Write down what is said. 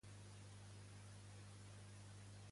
A l'estudi podria seguir escoltant "Realmslayer"?